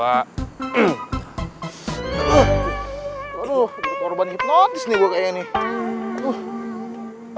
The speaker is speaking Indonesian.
aduh udah korban hipnotis nih gue kayaknya nih